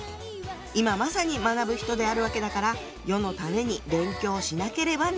「今まさに学ぶ人であるわけだから世のために勉強をしなければならない」。